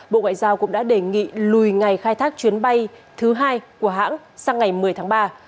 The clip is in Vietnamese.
bộ ngoại giao cũng đã đề nghị lùi ngày khai thác chuyến bay thứ hai của hãng sang ngày một mươi tháng ba